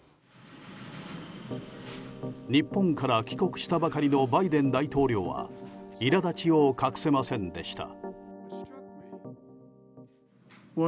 日本から帰国したばかりのバイデン大統領はいら立ちを隠せませんでした。